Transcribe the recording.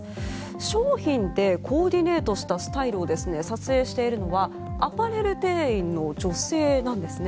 商品でコーディネートしたスタイルを撮影しているのはアパレル店員の女性なんですね。